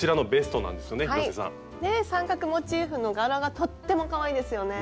ねえ三角モチーフの柄がとってもかわいいですよね。